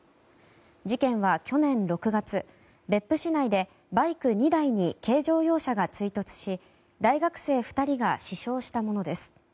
事件は去年６月別府市内でバイク２台に軽乗用車が追突し大学生２人が死傷したものです。